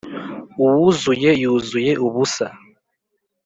uwuzuye yuzuye ubusa.